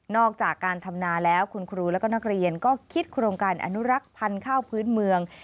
อกจากการทำนาแล้วคุณครูแล้วก็นักเรียนก็คิดโครงการอนุรักษ์พันธุ์ข้าวพื้นเมือง